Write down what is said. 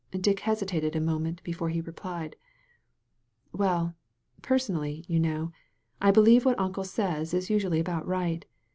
Dick hesitated a moment before he replied: "Well, personally, you know, I believe what Uncle says is usually about right.